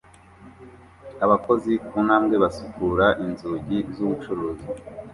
Abakozi ku ntambwe basukura inzugi z'ubucuruzi